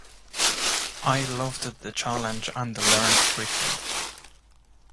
I loved the challenge and learned quickly.